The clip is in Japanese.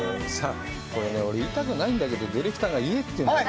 俺、これ、言いたくないんだけど、ディレクターが言えって言うの。